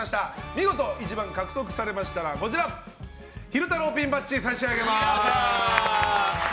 見事１番を獲得されましたら昼太郎ピンバッジ差し上げます。